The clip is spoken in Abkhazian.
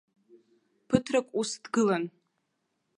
Ԥыҭрак ус дгылан.